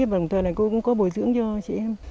và một thời này cô cũng có bồi dưỡng cho chị em